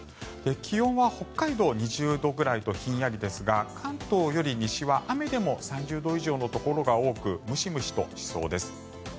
気温は北海道、２０度くらいとひんやりですが関東より西は雨でも３０度以上のところが多くムシムシとしそうです。